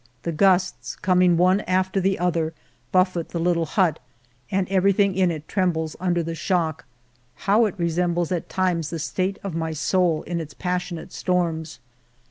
The gusts, com ing one after the other, buffet the little hut, and everything in it trembles under the shock. How it resembles at times the state of my soul in its passionate storms